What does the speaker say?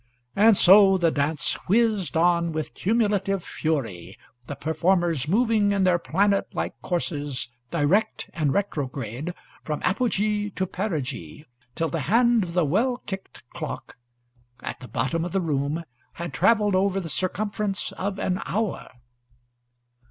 And so the dance whizzed on with cumulative fury, the performers moving in their planet like courses, direct and retrograde, from apogee to perigee, till the hand of the well kicked clock at the bottom of the room had travelled over the circumference of an hour.